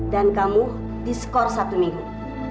dan kamu diskor satu minggu